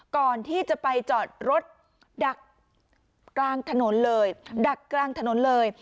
ก่อนที่จะไปจอดรถดักกลางถนนเลย